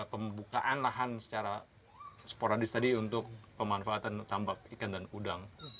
pembukaan lahan secara sporadis tadi untuk pemanfaatan tambak ikan dan udang